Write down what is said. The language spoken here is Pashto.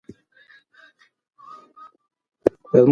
په مېندوارۍ کې خواړو ته زړه کېدل عام دي.